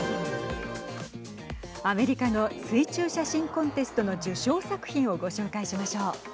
アメリカの水中写真コンテストの受賞作品をご紹介しましょう。